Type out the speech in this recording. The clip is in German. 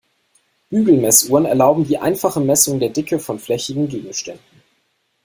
Bügel-Messuhren erlauben die einfache Messung der Dicke von flächigen Gegenständen.